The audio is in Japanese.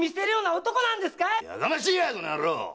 い⁉やかましいやこの野郎！